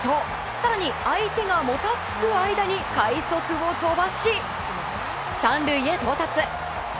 更に相手がもたつく間に快足を飛ばし、３塁へ到達。